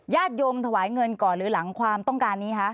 ญาติยมทำให้เงินก่อนหรือหลังความต้องการนี้ฮะ